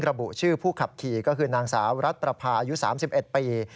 ระบุชื่อผู้ขับขี่ก็คือนางสาวรัฐประพาอายุ๓๑ปี